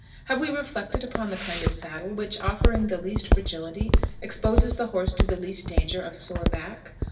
Have we reflected upon the kind of saddle which, offering the least fragility, exposes the horse to the least danger of sore back?